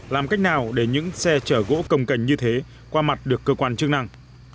làm cách nào để những xe chở gỗ công cành như thế qua mặt được cơ quan chức năng